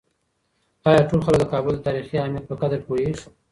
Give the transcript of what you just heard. آیا ټول خلک د کابل د تاریخي اهمیت په قدر پوهېږي؟